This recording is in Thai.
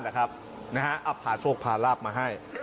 จินอัพหาโชคพาลาบมาให้